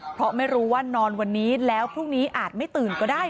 เพราะไม่รู้ว่านอนวันนี้แล้วพรุ่งนี้อาจไม่ตื่นก็ได้